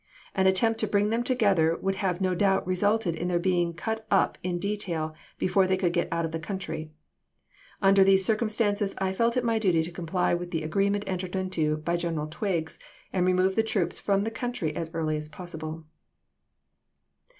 An attempt to bring them together would have no doubt resulted in their being cut up in detail before they could get out of the country. Under these circumstances I felt it my duty to comply mth the agree .^omas" ment entered into by General Twisrffs, and remove the Feb.ae.isei. W. E. Vol. troops from the country as early as possible.